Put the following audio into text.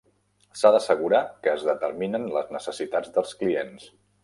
S'ha d'assegurar que es determinen les necessitats dels clients.